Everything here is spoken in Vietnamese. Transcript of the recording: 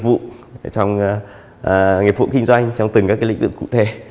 các bài toán nghiệp vụ nghiệp vụ kinh doanh trong từng các cái lĩnh vực cụ thể